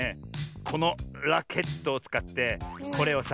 このラケットをつかってこれをさ